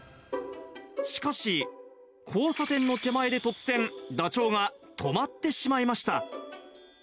しかし、交差点の手前で突然、ダチョウが止まってしまいました。